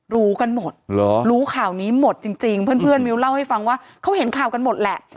รู้กันหมดรู้ข่าวนี้หมดจริงเพื่อนมิ้วเล่าให้ฟังว่าเขาเห็นข่าวกันหมดแหละ